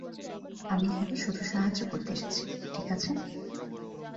আমি এখানে শুধু সাহায্য করতে এসেছি, ঠিক আছে?